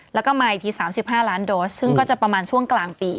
แล้วก็มาอีกที๓๕ล้านโดสซึ่งก็จะประมาณช่วงกลางปี